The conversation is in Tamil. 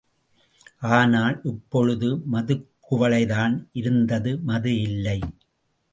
ஆனால் இப்பொழுது மதுக்குவளைதான் இருந்தது மது இல்லை!